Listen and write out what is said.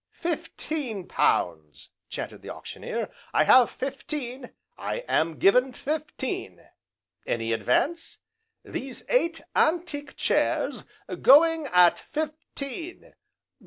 "Fifteen pounds!" chanted the Auctioneer, "I have fifteen, I am given fifteen, any advance? These eight antique chairs, going at fifteen!